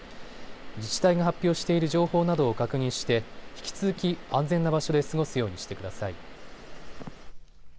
自治体が発表している情報などを確認して引き続き安全な場所で過ごすようにしてください。